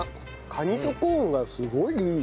カニとコーンがすごいいい。